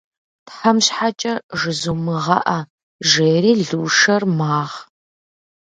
Тхьэм щхьэкӏэ, жызумыгъэӏэ!- жери Лушэр магъ.